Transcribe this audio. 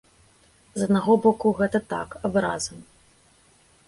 З аднаго боку, гэта так, абраза.